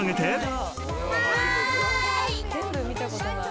「はーい」全部見たことない。